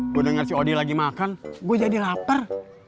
gue dengar si odi lagi makan gue jadi lapar